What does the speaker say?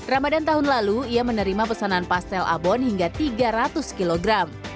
ramadan tahun lalu ia menerima pesanan pastel abon hingga tiga ratus kilogram